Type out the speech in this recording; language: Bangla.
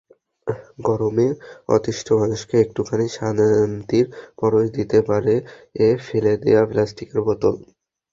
গরমে অতিষ্ঠ মানুষকে একটুখানি শান্তির পরশ দিতে পারে ফেলে দেওয়া প্লাস্টিকের বোতল।